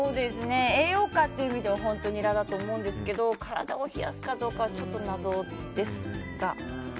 栄養価という意味ではニラだと思うんですが体を冷やすかどうかはちょっと謎ですが。